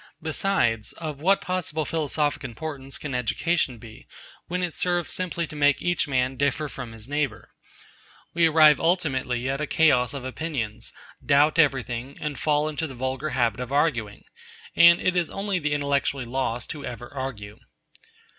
Besides, of what possible philosophic importance can education be, when it serves simply to make each man differ from his neighbour? We arrive ultimately at a chaos of opinions, doubt everything, and fall into the vulgar habit of arguing; and it is only the intellectually lost who ever argue.